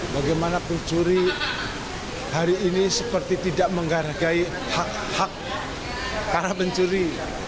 bagaimana pencuri hari ini seperti tidak menghargai hak hak para pencuri